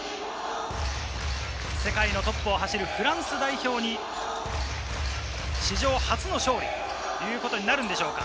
世界のトップを走るフランス代表に史上初の勝利ということになるのでしょうか。